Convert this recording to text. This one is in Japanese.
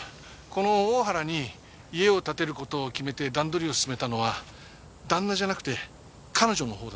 この大原に家を建てる事を決めて段取りを進めたのは旦那じゃなくて彼女のほうだったそうです。